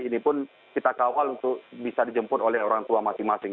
ini pun kita kawal untuk bisa dijemput oleh orang tua masing masing